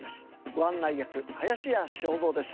ご案内役林家正蔵です。